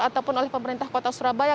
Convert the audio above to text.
ataupun oleh pemerintah kota surabaya